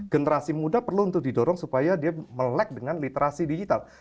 generasi muda perlu untuk didorong supaya dia melek dengan literasi digital